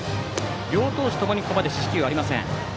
両投手ともにここまで四死球ありません。